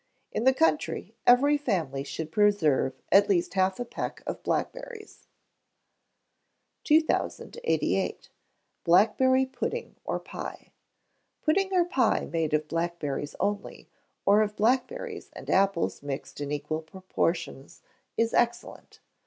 In the country every family should preserve at least half a peck of blackberries. 2088. Blackberry Pudding or Pie. Pudding or pie made of blackberries only, or of blackberries and apples mixed in equal proportions is excellent.